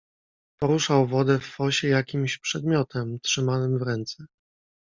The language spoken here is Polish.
"Poruszał wodę w fosie jakimś przedmiotem, trzymanym w ręce."